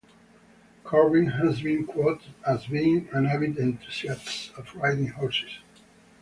Corbin has been quoted as being an avid enthusiast of riding horses.